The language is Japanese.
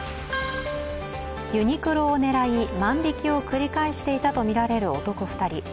ユニクロを狙い、万引きを繰り返していたとみられる男２人。